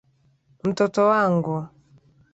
Mtoto wangu.